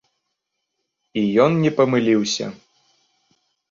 І ён не памыліўся.